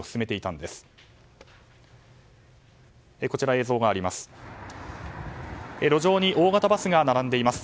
こちら、映像があります。